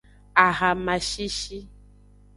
Ahama shishi.